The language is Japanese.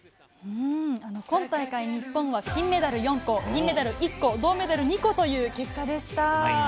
今大会、日本は金メダル４個、銀メダル１個銅メダル２個という結果でした。